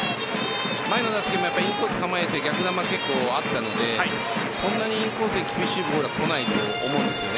前の打席もインコースを構えて逆球があったのでそんなにインコースで厳しいボールは来ないと思うんです。